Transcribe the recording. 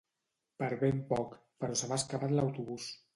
Per ben poc, però se m'ha escapat l'autobús